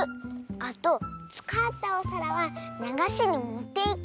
あとつかったおさらはながしにもっていく。